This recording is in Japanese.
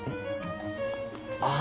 ああ。